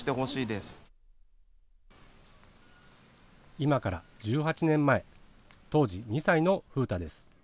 今から１８年前当時２歳の風太です。